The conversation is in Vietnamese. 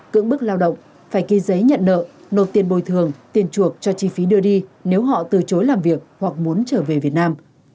cưỡng bức lao động phải ký giấy nhận nợ nộp tiền bồi thường tiền chuộc cho chi phí đưa đi nếu họ từ chối làm việc hoặc muốn trở về việt nam